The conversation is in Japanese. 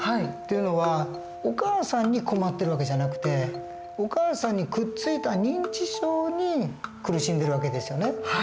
っていうのはお母さんに困ってる訳じゃなくてお母さんにくっついた認知症に苦しんでる訳ですよね。